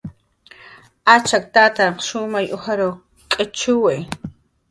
Achak tats shumay ujar k'ichiwi